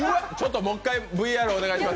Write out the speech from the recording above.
もう一回、ＶＡＲお願いします。